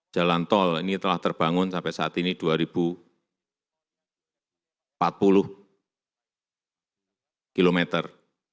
jalan tol ini telah terbangun sampai saat ini dua ribu empat puluh kilometer